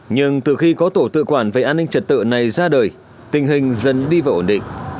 nhưng từ khi có tổ tự quản về an ninh trật tự này ra đời tình hình dân đi vào ổn định